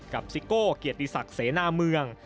กับซิโก่เกียจตรีศักดิ์เสนาเมือง